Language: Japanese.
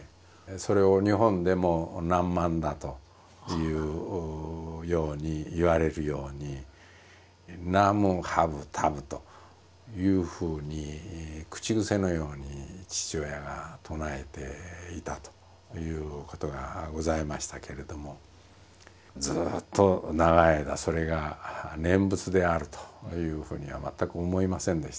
それを日本でも「ナンマンダ」というように言われるように「ナムハブタブ」というふうに口癖のように父親が唱えていたということがございましたけれどもずっと長い間それが念仏であるというふうには全く思いませんでしたですね。